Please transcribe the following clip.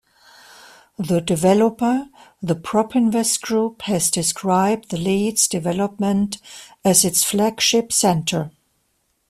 The developer, the Propinvest Group, has described the Leeds development as its flagship centre.